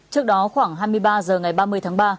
trước đó khoảng hai mươi ba h ngày ba mươi tháng ba